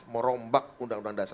merombak undang undang dasar